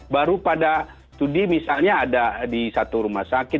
baru pada studi misalnya ada di satu rumah sakit